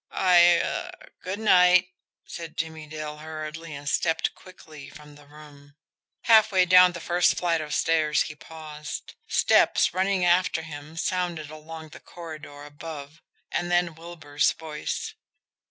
"I er good night!" said Jimmie Dale hurriedly and stepped quickly from the room. Halfway down the first flight of stairs he paused. Steps, running after him, sounded along the corridor above; and then Wilbur's voice.